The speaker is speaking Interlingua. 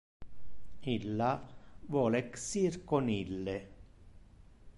Illa vole exir con ille.